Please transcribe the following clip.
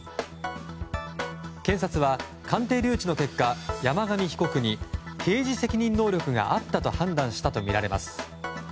検察は鑑定留置の結果山上被告に刑事責任能力があったと判断したとみられます。